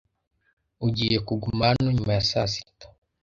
Ugiye kuguma hano nyuma ya saa sita?